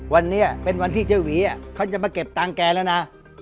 วันนี้เป็นวันที่เจ้าหวีเขาจะมาเก็บตังค์แกแล้วนะ